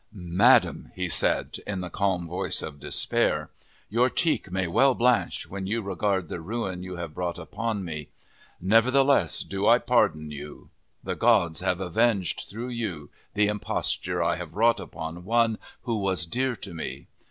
"Madam," he said, in the calm voice of despair, "your cheek may well blanch, when you regard the ruin you have brought upon me. Nevertheless do I pardon you. The gods have avenged, through you, the imposture I wrought upon one who was dear to me.